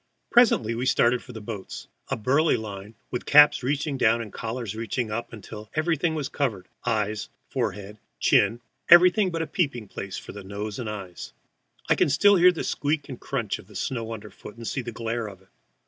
Presently we started for the boats. A burly line, with caps reaching down, and collars reaching up, until everything was covered ears, forehead, chin, everything but a peeping place for nose and eyes. I can still hear the squeak and crunch of snow under foot, and see the glare of it.